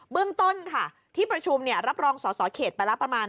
เรื่องต้นค่ะที่ประชุมรับรองสอสอเขตไปละประมาณ